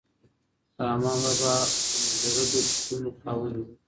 رحمان بابا د مجردو فکرونو خاوند و.